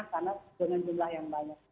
karena dengan jumlah yang banyak